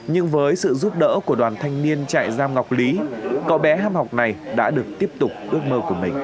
nhưng với sự giúp đỡ của đoàn thanh niên chạy giam ngọc lý cậu bé ham học này đã được tiếp tục ước mơ